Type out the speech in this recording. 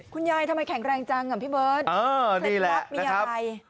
คุณยายทำไมแข็งแรงจังอ่ะพี่เบิร์ดอ๋อนี่แหละคลิปล็อตมีอะไร